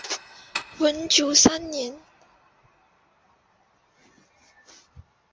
文久三年。